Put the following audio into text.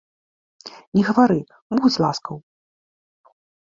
Не гавары, будзь ласкаў!